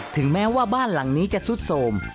ถึงแม้ว่าบ้านหลังนี้จะซุดโสม